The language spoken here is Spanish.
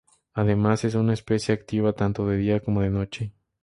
Además, es una serpiente activa tanto de día como de noche.